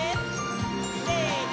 せの！